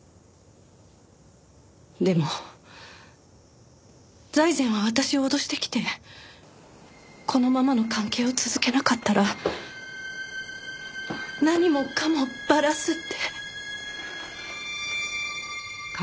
でも財前は私を脅してきてこのままの関係を続けなかったら何もかもばらすって。